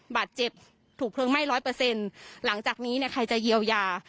บาดเจ็บถูกเพลิงไหม้ร้อยเปอร์เซ็นต์หลังจากนี้เนี่ยใครจะเยียวยา